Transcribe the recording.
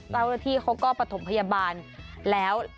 แล้วที่เขาก็ปฐมพยาบาลแล้ว